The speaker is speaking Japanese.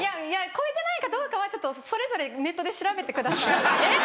いや超えてないかどうかはちょっとそれぞれネットで調べてください。